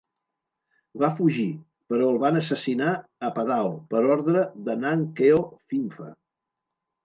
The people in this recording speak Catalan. Va fugir, però el van assassinar a Phadao per ordre de Nang Keo Phimpha.